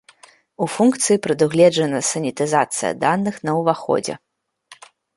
У функцыі прадугледжана санітызацыя даных на ўваходзе.